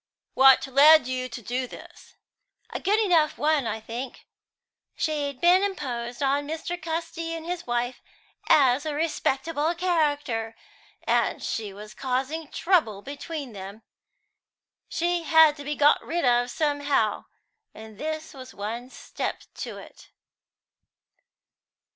"What led you to do this?" "A good enough one, I think. She'd been imposed on Mr. Casti and his wife as a respectable character, and she was causing trouble between them. She had to be got rid of somehow, and this was one step to it."